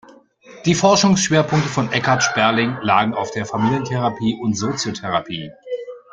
Die Forschungsschwerpunkte von Eckhard Sperling lagen auf der Familientherapie und Soziotherapie.